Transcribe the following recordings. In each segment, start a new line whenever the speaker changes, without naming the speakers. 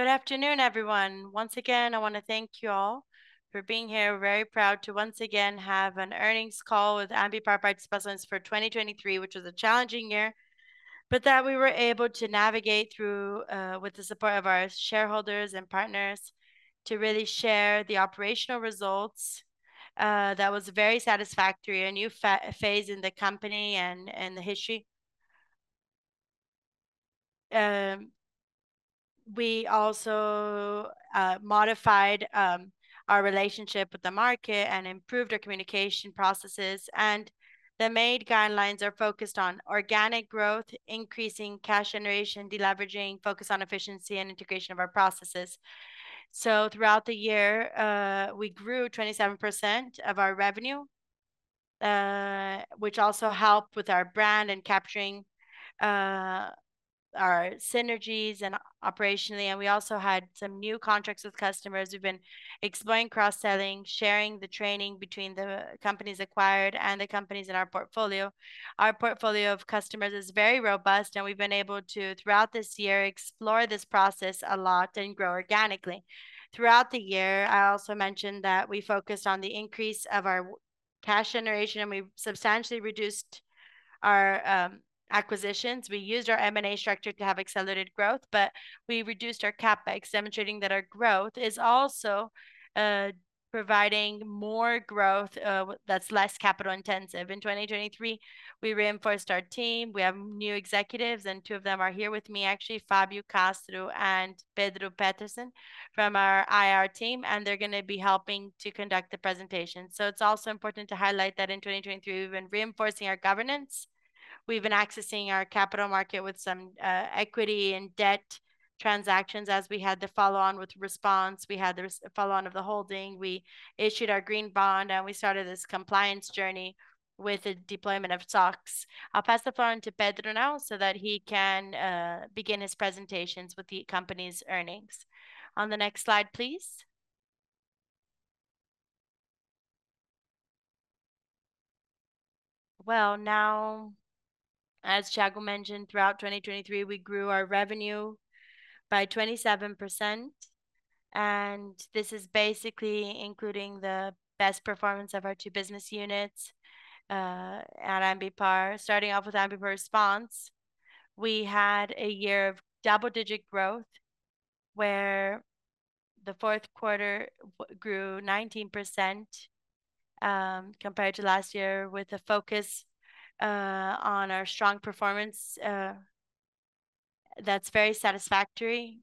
Good afternoon, everyone. Once again, I want to thank you all for being here. We're very proud to once again have an earnings call with Ambipar Participações for 2023, which was a challenging year, but that we were able to navigate through with the support of our shareholders and partners to really share the operational results. That was very satisfactory, a new phase in the company and the history. We also modified our relationship with the market and improved our communication processes. The main guidelines are focused on organic growth, increasing cash generation, deleveraging, focus on efficiency, and integration of our processes. Throughout the year, we grew 27% of our revenue, which also helped with our brand and capturing our synergies operationally. We also had some new contracts with customers. We've been exploring cross-selling, sharing the training between the companies acquired and the companies in our portfolio. Our portfolio of customers is very robust, and we've been able to, throughout this year, explore this process a lot and grow organically. Throughout the year, I also mentioned that we focused on the increase of our cash generation, and we substantially reduced our acquisitions. We used our M&A structure to have accelerated growth, but we reduced our CapEx, demonstrating that our growth is also providing more growth that's less capital-intensive. In 2023, we reinforced our team. We have new executives, and two of them are here with me, actually, Fábio Castro and Pedro Petersen from our IR team, and they're going to be helping to conduct the presentation. So it's also important to highlight that in 2023, we've been reinforcing our governance. We've been accessing our capital market with some equity and debt transactions as we had the follow-on with Response. We had the follow-on of the holding. We issued our green bond, and we started this compliance journey with the deployment of SOX. I'll pass the phone to Pedro now so that he can begin his presentations with the company's earnings. On the next slide, please. Well, now, as Thiago mentioned, throughout 2023, we grew our revenue by 27%. And this is basically including the best performance of our two business units at Ambipar. Starting off with Ambipar Response, we had a year of double-digit growth where the fourth quarter grew 19% compared to last year with a focus on our strong performance. That's very satisfactory,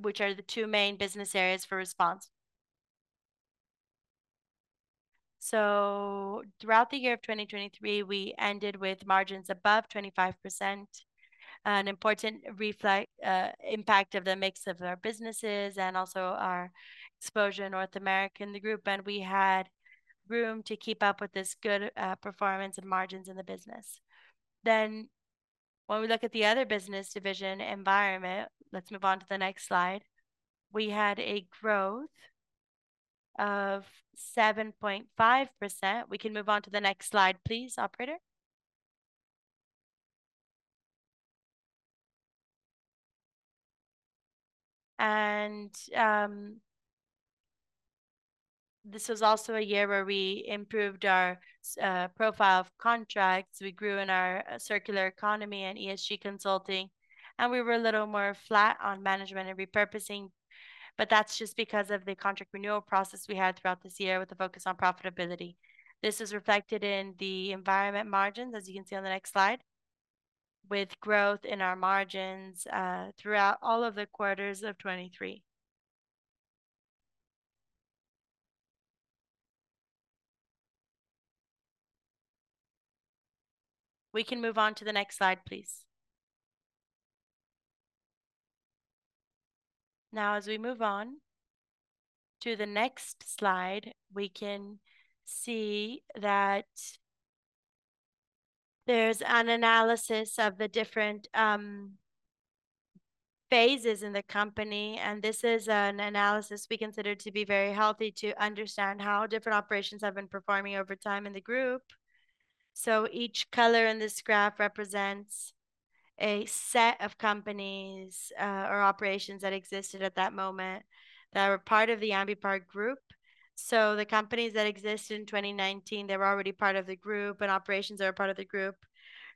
which are the two main business areas for Response. So throughout the year of 2023, we ended with margins above 25%, an important impact of the mix of our businesses and also our exposure in North America in the group. We had room to keep up with this good performance and margins in the business. When we look at the other business division Environment, let's move on to the next slide. We had a growth of 7.5%. We can move on to the next slide, please, operator. This was also a year where we improved our profile of contracts. We grew in our circular economy and ESG consulting. We were a little more flat on management and repurposing. But that's just because of the contract renewal process we had throughout this year with a focus on profitability. This is reflected in the Environment margins, as you can see on the next slide, with growth in our margins throughout all of the quarters of 2023. We can move on to the next slide, please. Now, as we move on to the next slide, we can see that there's an analysis of the different phases in the company. And this is an analysis we consider to be very healthy to understand how different operations have been performing over time in the group. So each color in this graph represents a set of companies or operations that existed at that moment that were part of the Ambipar group. So the companies that existed in 2019, they were already part of the group, and operations are a part of the group,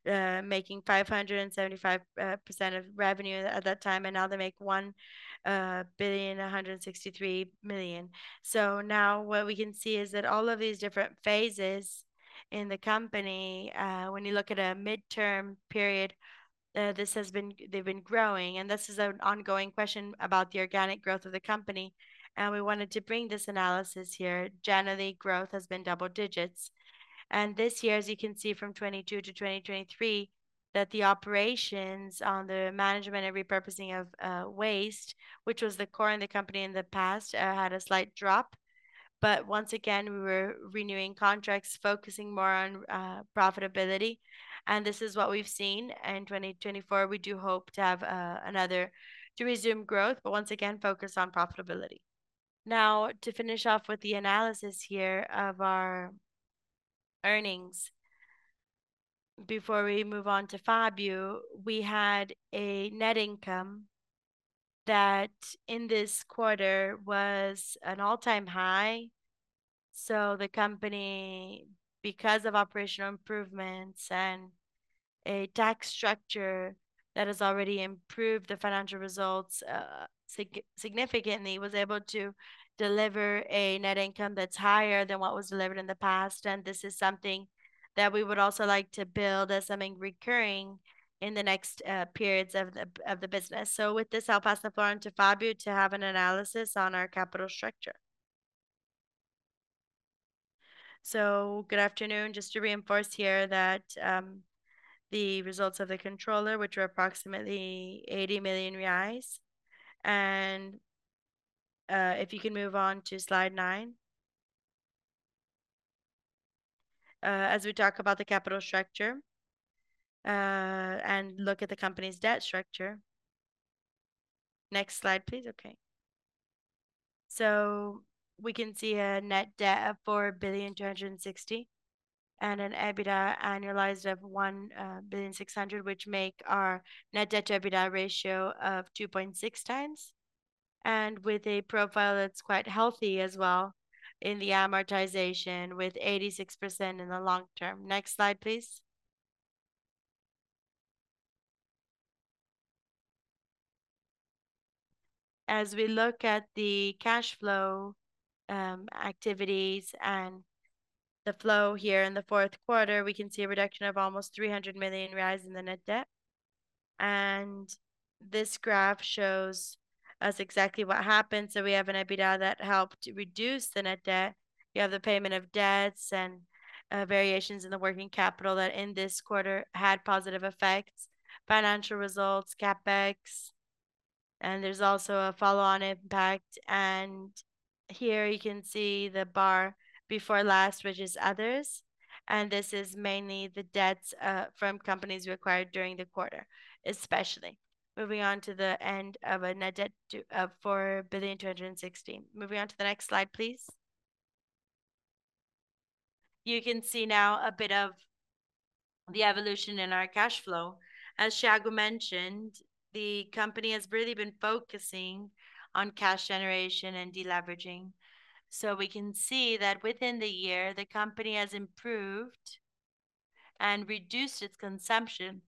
making 575% of revenue at that time. And now they make $1,163,000,000. So now what we can see is that all of these different phases in the company, when you look at a midterm period, they've been growing. And this is an ongoing question about the organic growth of the company. And we wanted to bring this analysis here. Generally, growth has been double digits. And this year, as you can see from 2022-2023, that the operations on the management and repurposing of waste, which was the core in the company in the past, had a slight drop. But once again, we were renewing contracts, focusing more on profitability. And this is what we've seen. In 2024, we do hope to have another to resume growth, but once again, focus on profitability. Now, to finish off with the analysis here of our earnings, before we move on to Fábio, we had a net income that in this quarter was an all-time high. So the company, because of operational improvements and a tax structure that has already improved the financial results significantly, was able to deliver a net income that's higher than what was delivered in the past. This is something that we would also like to build as something recurring in the next periods of the business. So with this, I'll pass the floor on to Fábio to have an analysis on our capital structure. So good afternoon. Just to reinforce here that the results of the controller, which were approximately 80 million reais. And if you can move on to slide nine, as we talk about the capital structure and look at the company's debt structure. Next slide, please. Okay. So we can see a net debt of 4,260,000 and an EBITDA annualized of 1,600,000, which make our net debt to EBITDA ratio of 2.6 times. And with a profile that's quite healthy as well in the amortization, with 86% in the long term. Next slide, please. As we look at the cash flow activities and the flow here in the fourth quarter, we can see a reduction of almost 300 million reais in the net debt. This graph shows us exactly what happened. So we have an EBITDA that helped reduce the net debt. You have the payment of debts and variations in the working capital that in this quarter had positive effects, financial results, CapEx. There's also a follow-on impact. Here you can see the bar before last, which is others. This is mainly the debts from companies we acquired during the quarter, especially. Moving on to the end of a net debt of 4,260,000. Moving on to the next slide, please. You can see now a bit of the evolution in our cash flow. As Thiago mentioned, the company has really been focusing on cash generation and deleveraging. We can see that within the year, the company has improved and reduced its consumption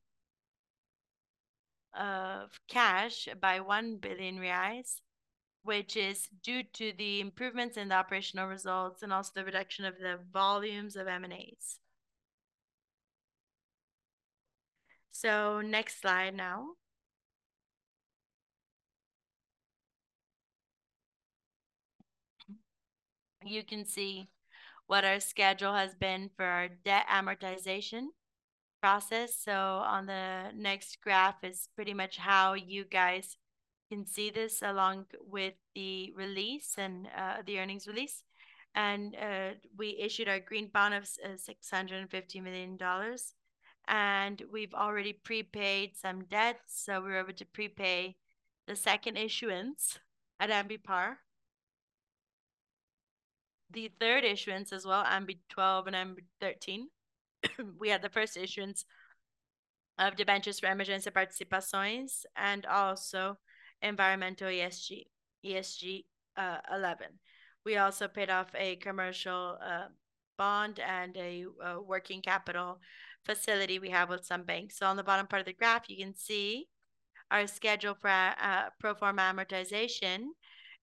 of cash by 1 billion reais, which is due to the improvements in the operational results and also the reduction of the volumes of M&As. Next slide now. You can see what our schedule has been for our debt amortization process. On the next graph is pretty much how you guys can see this along with the release and the earnings release. And we issued our green bond of $650 million. And we've already prepaid some debt, so we're able to prepay the second issuance at Ambipar. The third issuance as well, Ambipar 12 and Ambipar 13. We had the first issuance of debentures for Emergência Participações and also Environmental ESG 11. We also paid off a commercial bond and a working capital facility we have with some banks. So on the bottom part of the graph, you can see our schedule for pro forma amortization.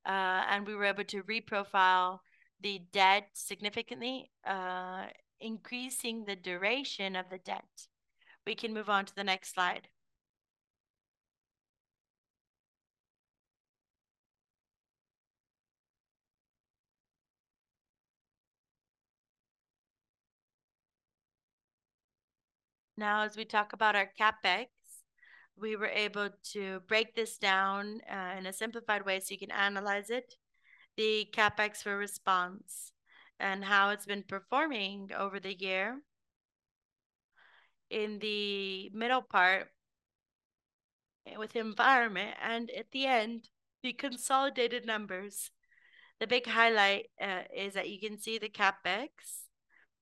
And we were able to reprofile the debt significantly, increasing the duration of the debt. We can move on to the next slide. Now, as we talk about our CapEx, we were able to break this down in a simplified way so you can analyze it. The CapEx for Response and how it's been performing over the year. In the middle part, with Environment, and at the end, the consolidated numbers. The big highlight is that you can see the CapEx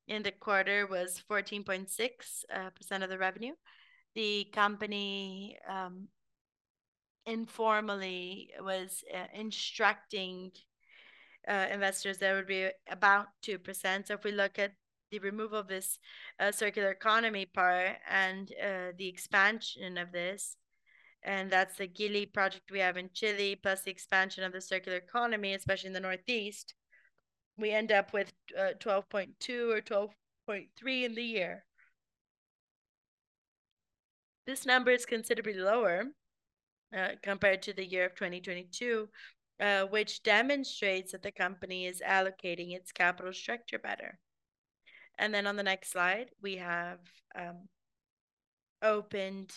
in the quarter was 14.6% of the revenue. The company informally was instructing investors there would be about 2%. If we look at the removal of this circular economy part and the expansion of this, and that's the GIRI project we have in Chile, plus the expansion of the circular economy, especially in the Northeast, we end up with 12.2 or 12.3 in the year. This number is considerably lower compared to the year of 2022, which demonstrates that the company is allocating its capital structure better. On the next slide, we have opened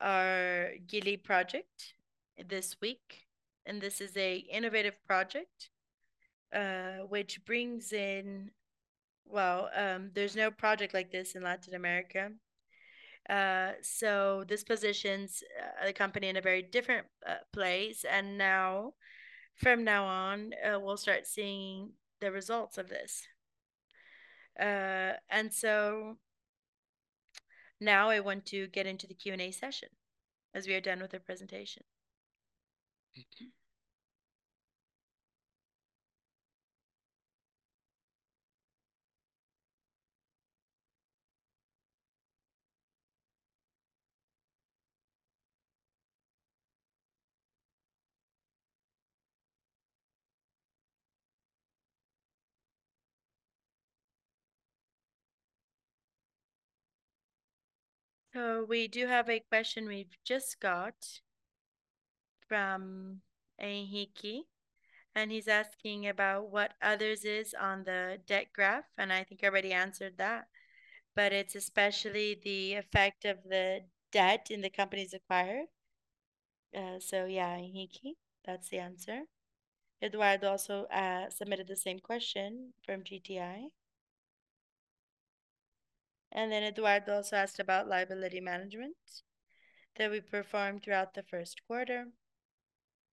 our GIRI project this week. This is an innovative project, which brings in well, there's no project like this in Latin America. This positions the company in a very different place. Now, from now on, we'll start seeing the results of this. Now I want to get into the Q&A session as we are done with our presentation. So we do have a question we've just got from Henrique. He's asking about what others is on the debt graph. I think everybody answered that. But it's especially the effect of the debt in the companies acquired. So yeah, Henrique, that's the answer. Eduardo also submitted the same question from GTI. Then Eduardo also asked about liability management that we performed throughout the first quarter.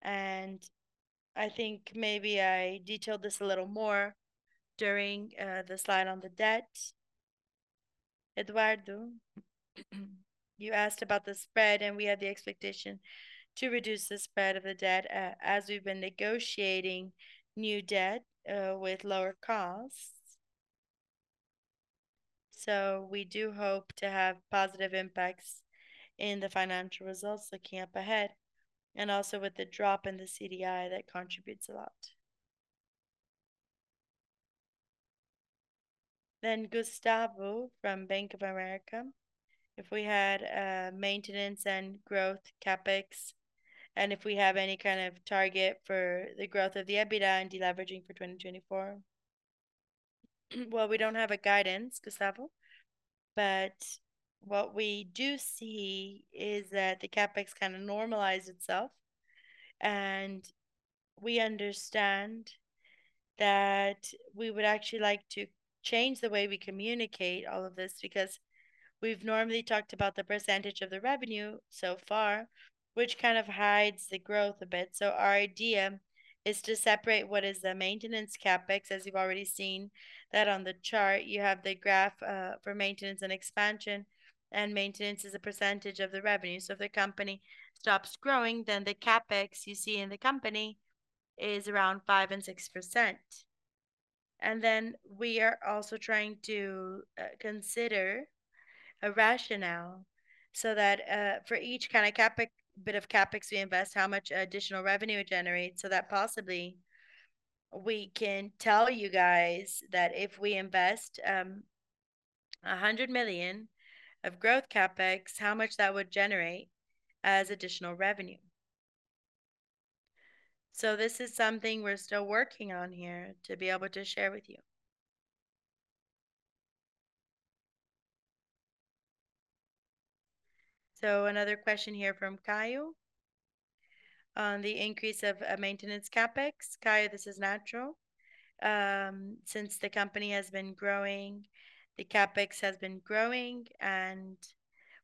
I think maybe I detailed this a little more during the slide on the debt. Eduardo, you asked about the spread, and we have the expectation to reduce the spread of the debt as we've been negotiating new debt with lower costs. So we do hope to have positive impacts in the financial results that can't be ahead. Also with the drop in the CDI that contributes a lot. Then Gustavo from Bank of America, if we had maintenance and growth CapEx, and if we have any kind of target for the growth of the EBITDA and deleveraging for 2024. Well, we don't have a guidance, Gustavo. But what we do see is that the CapEx kind of normalized itself. And we understand that we would actually like to change the way we communicate all of this because we've normally talked about the percentage of the revenue so far, which kind of hides the growth a bit. So our idea is to separate what is the maintenance CapEx, as you've already seen that on the chart, you have the graph for maintenance and expansion. And maintenance is a percentage of the revenue. So if the company stops growing, then the CapEx you see in the company is around 5%-6%. And then we are also trying to consider a rationale so that for each kind of bit of CapEx we invest, how much additional revenue it generates so that possibly we can tell you guys that if we invest $100 million of growth CapEx, how much that would generate as additional revenue. So this is something we're still working on here to be able to share with you. So another question here from Caio on the increase of maintenance CapEx. Caio, this is natural. Since the company has been growing, the CapEx has been growing. And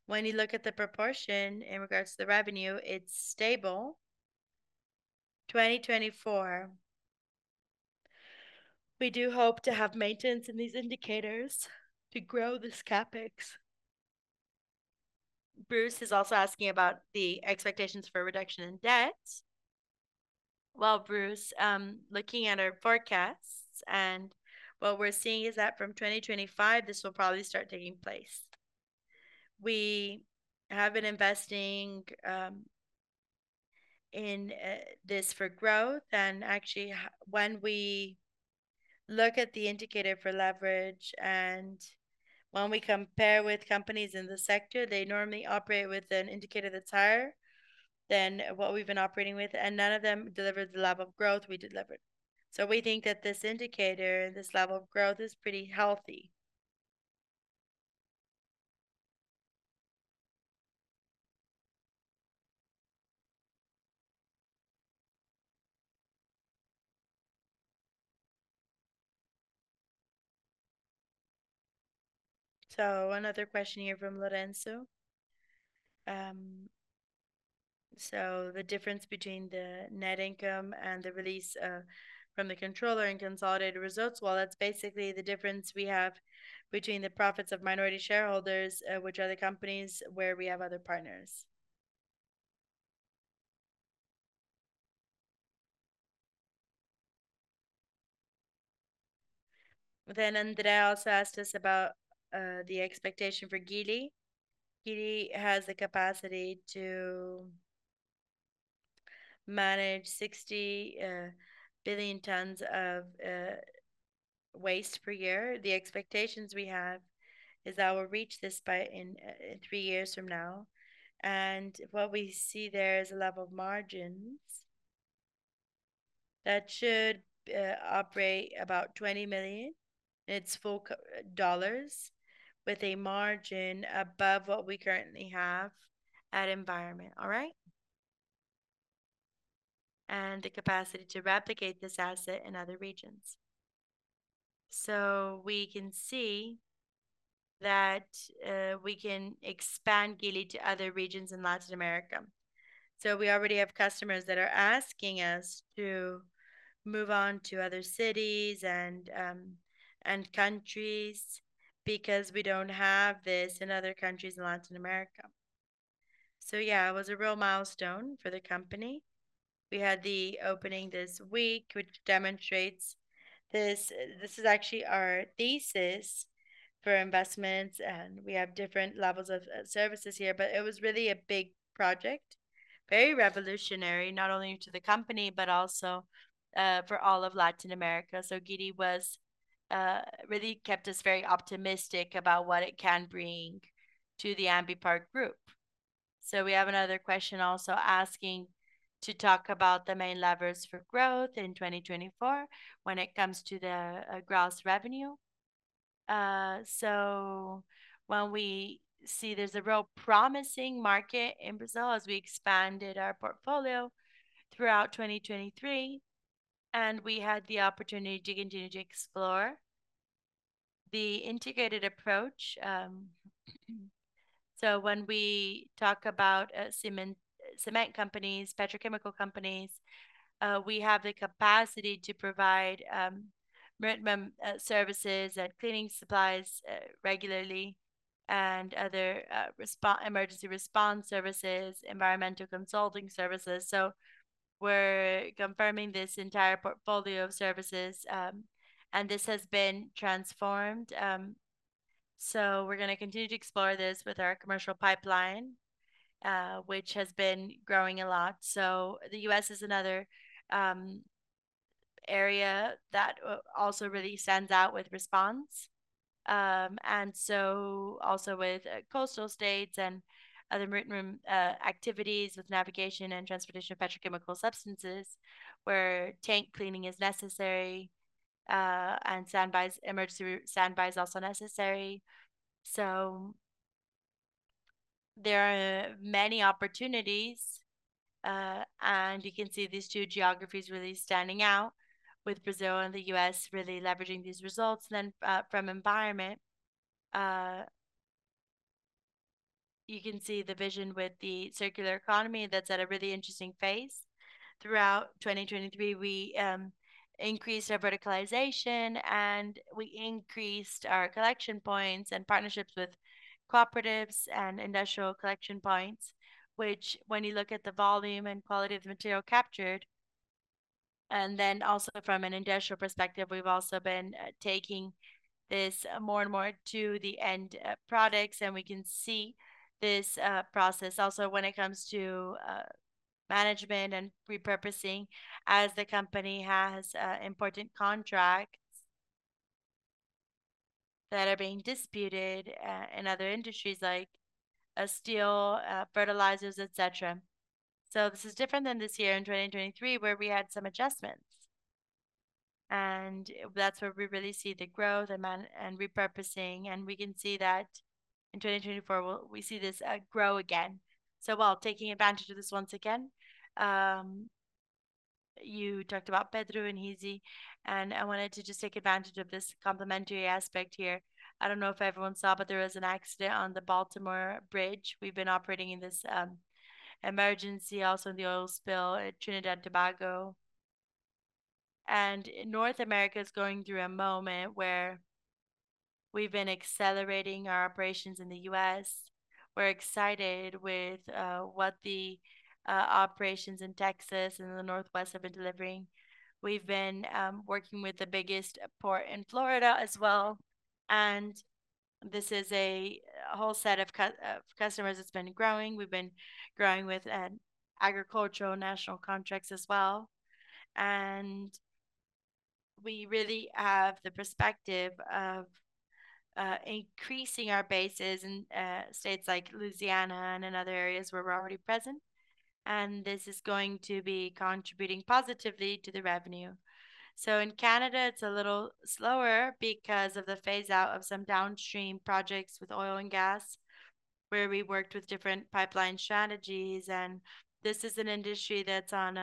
when you look at the proportion in regards to the revenue, it's stable. 2024, we do hope to have maintenance in these indicators to grow this CapEx. Bruce is also asking about the expectations for reduction in debt. Well, Bruce, looking at our forecasts and what we're seeing is that from 2025, this will probably start taking place. We have been investing in this for growth. And actually, when we look at the indicator for leverage and when we compare with companies in the sector, they normally operate with an indicator that's higher than what we've been operating with. And none of them delivered the level of growth we delivered. So we think that this indicator and this level of growth is pretty healthy. So another question here from Lorenzo. So the difference between the net income and the release from the controller and consolidated results, well, that's basically the difference we have between the profits of minority shareholders, which are the companies where we have other partners. Then Andrea also asked us about the expectation for GIRI. GIRI has the capacity to manage 60 billion tons of waste per year. The expectations we have is that we'll reach this by in three years from now. And what we see there is a level of margins that should operate about $20 million. It's full dollars with a margin above what we currently have at Environment, all right? And the capacity to replicate this asset in other regions. So we can see that we can expand GIRI to other regions in Latin America. So we already have customers that are asking us to move on to other cities and countries because we don't have this in other countries in Latin America. So yeah, it was a real milestone for the company. We had the opening this week, which demonstrates this is actually our thesis for investments. We have different levels of services here, but it was really a big project, very revolutionary, not only to the company, but also for all of Latin America. GIRI really kept us very optimistic about what it can bring to the Ambipar group. We have another question also asking to talk about the main levers for growth in 2024 when it comes to the gross revenue. When we see there's a real promising market in Brazil as we expanded our portfolio throughout 2023. We had the opportunity to continue to explore the integrated approach. When we talk about cement companies, petrochemical companies, we have the capacity to provide minimum services and cleaning supplies regularly and other emergency Response services, Environmental consulting services. We're confirming this entire portfolio of services. This has been transformed. We're going to continue to explore this with our commercial pipeline, which has been growing a lot. The U.S. is another area that also really stands out with Response. Also with coastal states and other Ro-Ro activities with navigation and transportation of petrochemical substances where tank cleaning is necessary and sandblasting also necessary. There are many opportunities. You can see these two geographies really standing out with Brazil and the U.S. really leveraging these results. Then from Environment, you can see the vision with the circular economy that's at a really interesting phase. Throughout 2023, we increased our verticalization and we increased our collection points and partnerships with cooperatives and industrial collection points, which when you look at the volume and quality of the material captured. And then also from an industrial perspective, we've also been taking this more and more to the end products. And we can see this process also when it comes to management and repurposing as the company has important contracts that are being disputed in other industries like steel, fertilizers, etc. So this is different than this year in 2023 where we had some adjustments. And that's where we really see the growth and repurposing. And we can see that in 2024, we see this grow again. So while taking advantage of this once again, you talked about Pedro and Henrique. And I wanted to just take advantage of this complementary aspect here. I don't know if everyone saw, but there was an accident on the Baltimore Bridge. We've been operating in this emergency also in the oil spill at Trinidad and Tobago. North America is going through a moment where we've been accelerating our operations in the U.S. We're excited with what the operations in Texas and the northwest have been delivering. We've been working with the biggest port in Florida as well. And this is a whole set of customers that's been growing. We've been growing with agricultural national contracts as well. And we really have the perspective of increasing our bases in states like Louisiana and in other areas where we're already present. And this is going to be contributing positively to the revenue. So in Canada, it's a little slower because of the phase out of some downstream projects with oil and gas where we worked with different pipeline strategies. And this is an industry that's at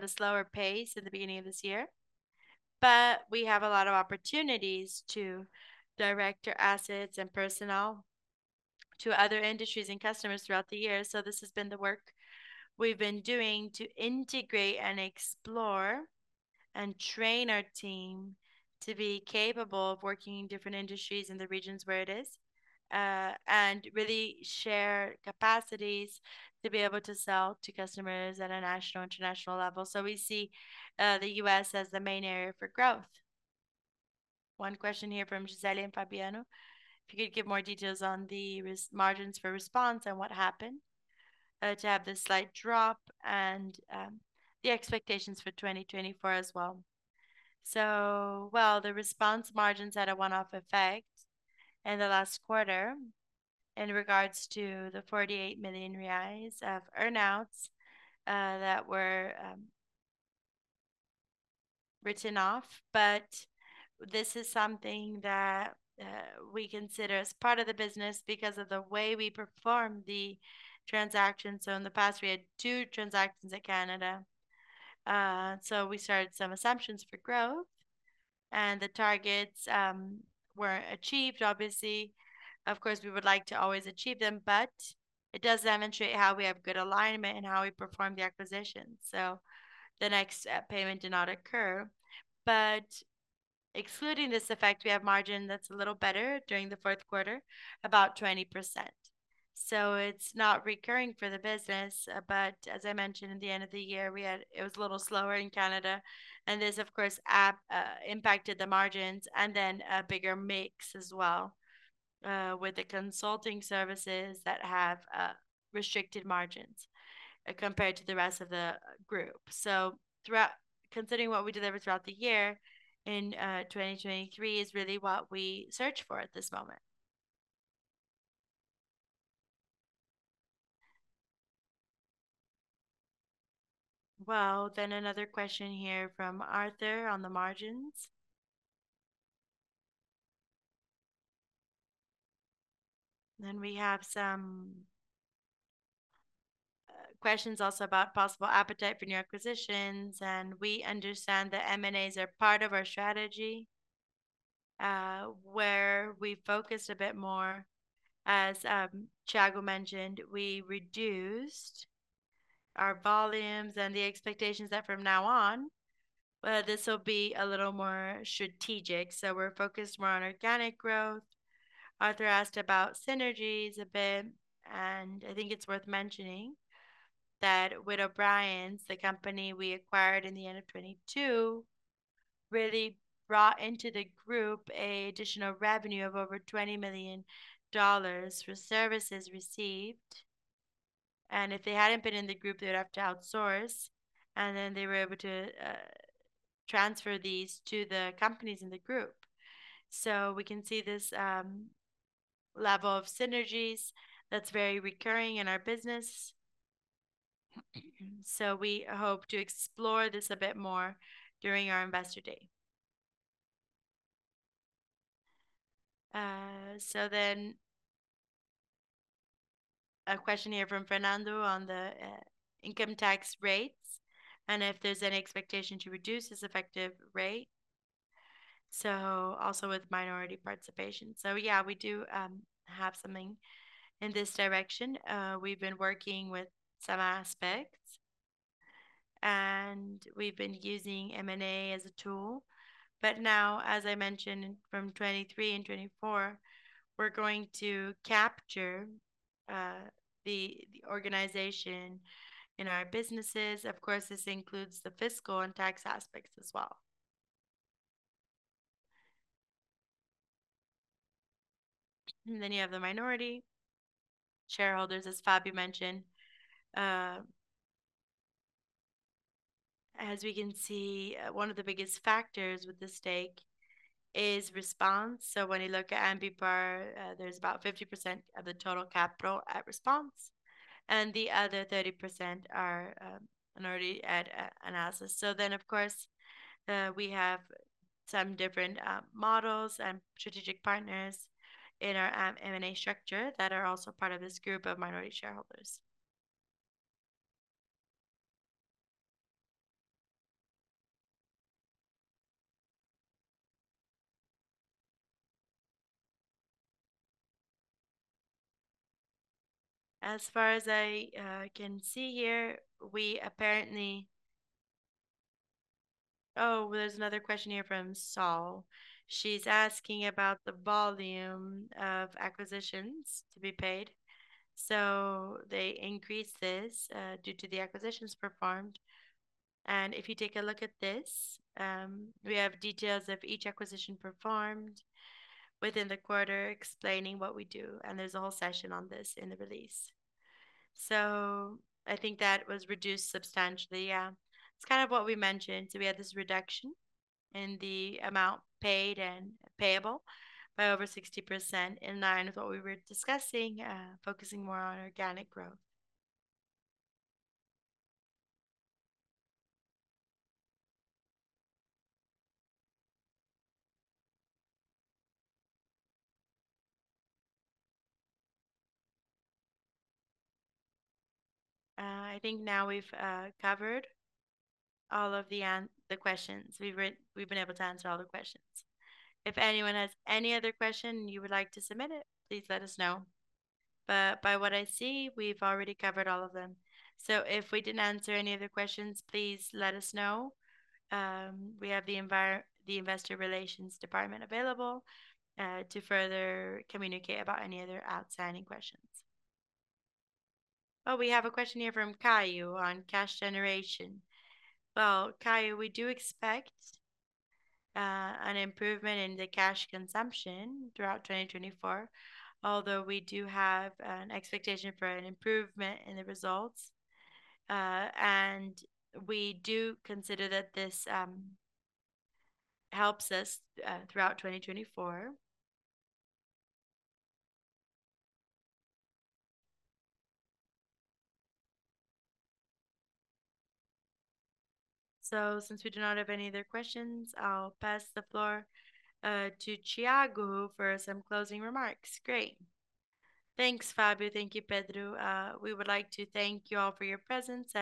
a slower pace in the beginning of this year. But we have a lot of opportunities to direct our assets and personnel to other industries and customers throughout the year. So this has been the work we've been doing to integrate and explore and train our team to be capable of working in different industries in the regions where it is and really share capacities to be able to sell to customers at a national, international level. So we see the U.S. as the main area for growth. One question here from Gisele and Fabiano. If you could give more details on the margins for Response and what happened to have this slight drop and the expectations for 2024 as well. So, well, the Response margins had a one-off effect in the last quarter in regards to the 48 million reais of earnouts that were written off. But this is something that we consider as part of the business because of the way we perform the transactions. So in the past, we had two transactions at Canada. So we started some assumptions for growth. And the targets were achieved, obviously. Of course, we would like to always achieve them, but it does demonstrate how we have good alignment and how we perform the acquisitions. So the next payment did not occur. But excluding this effect, we have margin that's a little better during the fourth quarter, about 20%. So it's not recurring for the business. But as I mentioned, at the end of the year, it was a little slower in Canada. And this, of course, impacted the margins and then a bigger mix as well with the consulting services that have restricted margins compared to the rest of the group. So, considering what we delivered throughout the year in 2023 is really what we search for at this moment. Well, then another question here from Arthur on the margins. We have some questions also about possible appetite for new acquisitions. We understand the M&As are part of our strategy where we focused a bit more. As Thiago mentioned, we reduced our volumes and the expectations that from now on, this will be a little more strategic. We're focused more on organic growth. Arthur asked about synergies a bit. I think it's worth mentioning that Witt O'Brien's, the company we acquired in the end of 2022, really brought into the group an additional revenue of over $20 million for services received. If they hadn't been in the group, they would have to outsource. Then they were able to transfer these to the companies in the group. We can see this level of synergies that's very recurring in our business. We hope to explore this a bit more during our investor day. Then a question here from Fernando on the income tax rates and if there's any expectation to reduce this effective rate. Also with minority participation. Yeah, we do have something in this direction. We've been working with some aspects. We've been using M&A as a tool. But now, as I mentioned, from 2023 and 2024, we're going to capture the organization in our businesses. Of course, this includes the fiscal and tax aspects as well. Then you have the minority shareholders, as Fábio mentioned. As we can see, one of the biggest factors with this stake is Response. So when you look at Ambipar, there's about 50% of the total capital at Response. And the other 30% are already at analysis. So then, of course, we have some different models and strategic partners in our M&A structure that are also part of this group of minority shareholders. As far as I can see here, we apparently oh, there's another question here from Sol. She's asking about the volume of acquisitions to be paid. So they increased this due to the acquisitions performed. And if you take a look at this, we have details of each acquisition performed within the quarter explaining what we do. And there's a whole session on this in the release. So I think that was reduced substantially. Yeah, it's kind of what we mentioned. So we had this reduction in the amount paid and payable by over 60% in line with what we were discussing, focusing more on organic growth. I think now we've covered all of the questions. We've been able to answer all the questions. If anyone has any other question and you would like to submit it, please let us know. But by what I see, we've already covered all of them. So if we didn't answer any of the questions, please let us know. We have the investor relations department available to further communicate about any other outstanding questions. Oh, we have a question here from Caio on cash generation. Well, Caio, we do expect an improvement in the cash consumption throughout 2024, although we do have an expectation for an improvement in the results. And we do consider that this helps us throughout 2024. Since we do not have any other questions, I'll pass the floor to Thiago for some closing remarks. Great. Thanks, Fábio. Thank you, Pedro. We would like to thank you all for your presence.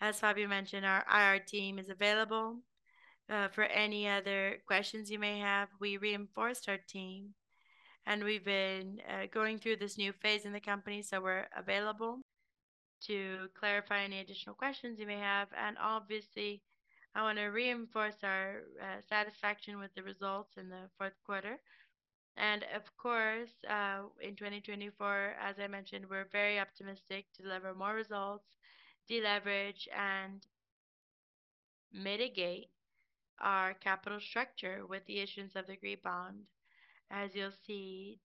As Fábio mentioned, our IR team is available for any other questions you may have. We reinforced our team. We've been going through this new phase in the company, so we're available to clarify any additional questions you may have. Obviously, I want to reinforce our satisfaction with the results in the fourth quarter. Of course, in 2024, as I mentioned, we're very optimistic to deliver more results, deleverage, and mitigate our capital structure with the issuance of the green bond. As you'll see,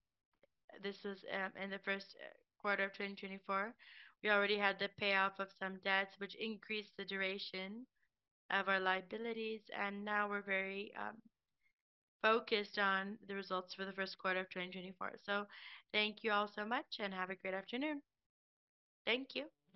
this was in the first quarter of 2024. We already had the payoff of some debts, which increased the duration of our liabilities. And now we're very focused on the results for the first quarter of 2024. So thank you all so much and have a great afternoon. Thank you.